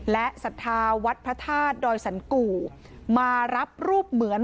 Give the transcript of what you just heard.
และศรัทธาวัดพระธาตุดอยสันกู่มารับรูปเหมือน